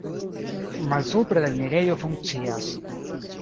Malsupre la enirejo funkcias.